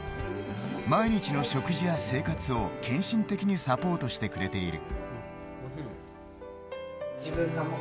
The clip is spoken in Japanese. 毎日の食事や生活を献身的にサポートしてくれている。